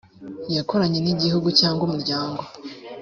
yakoranywe n igihugu cyangwa umuryango